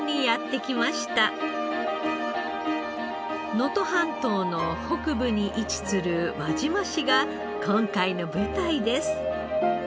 能登半島の北部に位置する輪島市が今回の舞台です。